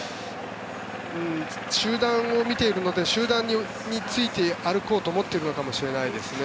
集団を見ているので集団について歩こうと思っているのかもしれないですね。